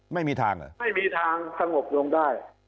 ไม่มีทางไม่มีทางสงบลงได้